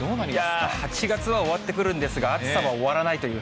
いやー、８月は終わってくるんですが、暑さは終わらないという。